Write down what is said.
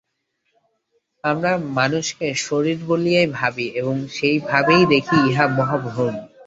আমরা মানুষকে শরীর বলিয়াই ভাবি এবং সেই ভাবেই দেখি, ইহা মহা ভ্রম।